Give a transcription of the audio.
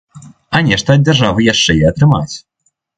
А нешта ад дзяржавы яшчэ і атрымаць.